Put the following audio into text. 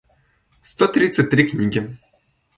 сто тридцать три книги